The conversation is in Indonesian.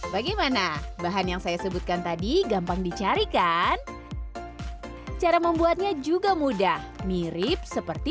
bagaimana bahan yang saya sebutkan tadi gampang dicari kan cara membuatnya juga mudah mirip seperti